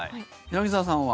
柳澤さんは？